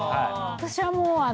私はもう。